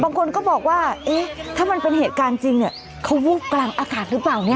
บางคนก็บอกว่าเอ๊ะถ้ามันเป็นเหตุการณ์จริงเนี่ยเขาวูบกลางอากาศหรือเปล่าเนี่ย